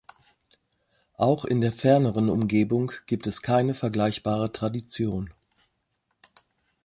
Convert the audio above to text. Auch in der ferneren Umgebung gibt es keine vergleichbare Tradition.